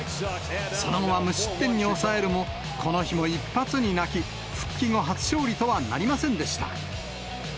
その後は無失点に抑えるも、この日も一発に泣き、復帰後初勝利とはなりませんでした。